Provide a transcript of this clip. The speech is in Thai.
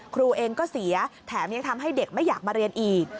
ครูเองก็เสียแถมยังทำให้เด็กไม่อยากมาเรียนอีก